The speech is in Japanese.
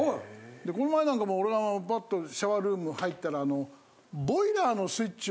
この間なんかも俺がパッとシャワールーム入ったら。